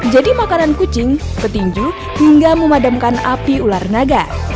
jadi makanan kucing petinju hingga memadamkan api ular naga